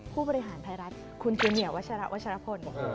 ผู้บริหารไทยรัฐคุณจูเนียวัชระวัชรพล